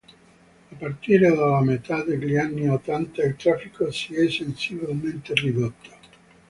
A partire dalla metà degli anni ottanta il traffico si è sensibilmente ridotto.